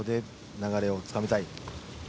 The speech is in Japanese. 流れをつかみたい。